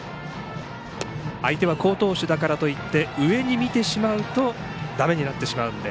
相手は好投手だからといって上に見てしまうとだめになってしまうので。